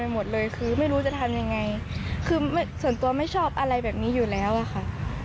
หมดเลยคือไม่รู้จะทำยังไงคือส่วนตัวไม่ชอบอะไรแบบนี้อยู่แล้วอะค่ะ